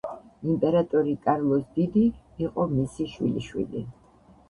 იმპერატორი კარლოს დიდი იყო მისი შვილიშვილი.